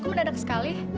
kamu dadak sekali